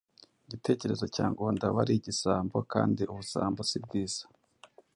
Igitekerezo cya Ngunda wari igisambo kandi ubusambo Si bwiza.